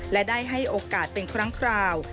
และได้ให้โอกาสเป็นครั้งคราว